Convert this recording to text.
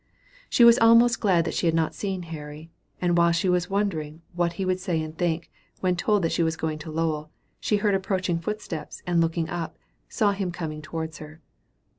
She was almost glad that she had not seen Henry; and while she was wondering what he would say and think, when told that she was going to Lowell, she heard approaching footsteps, and looking up, saw him coming towards her.